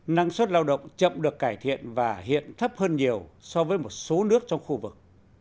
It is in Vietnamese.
năng suất lao động chậm được cải thiện và hiện thấp hơn nhiều so với một số nước trong khu vực